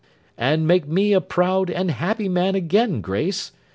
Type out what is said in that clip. '—And make me a proud, and happy man again, Grace.